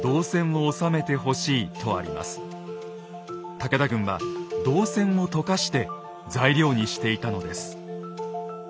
武田軍は銅銭を溶かして材料にしていたのです。